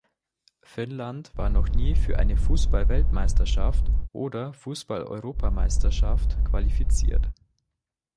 Finnland war noch nie für eine Fußball-Weltmeisterschaft oder Fußball-Europameisterschaft qualifiziert.